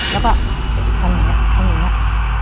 เข้าหนึ่งเนี่ย